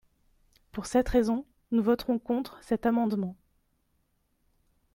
Pour cette raison, nous voterons contre cet amendement.